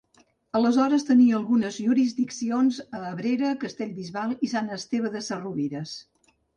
Aleshores tenia algunes jurisdiccions a Abrera, Castellbisbal i Sant Esteve de Sesrovires.